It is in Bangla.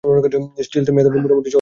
স্টিলথ মোড মোটামুটি সহজই বলা যায়।